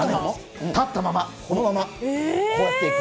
立ったまま、このまま、こうやっていく。